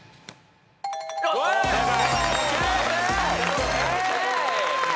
正解。